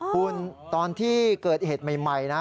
คุณตอนที่เกิดเหตุใหม่นะ